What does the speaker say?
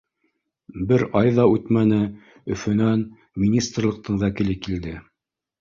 Бер ай ҙа үтмәне Өфөнән министрлыҡтың вәкиле килде.